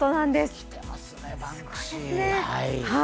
きてますね、バンクシー。